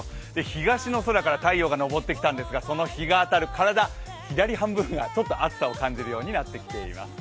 東の空から太陽が昇ってきたんですが、体の左半分がちょっと暑さを感じるようになってきています。